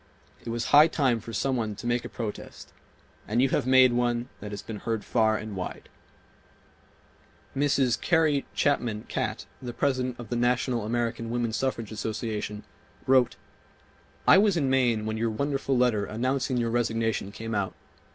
It was high time for some one to make a protest, and you have made one that has been heard far and wide ...." Mrs. Carrie Chapman Catt, the President of the National American Woman Suffrage Association, wrote: "I was in Maine when your wonderful letter announcing your resignation came out.